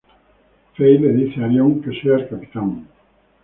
Fey le dice a Arion que sea el capitán.